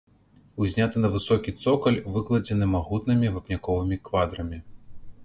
Узняты на высокі цокаль, выкладзены магутнымі вапняковымі квадрамі.